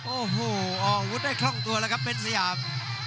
โอ้โหอาวุธได้คล่องตัวแล้วครับเป็นสยาม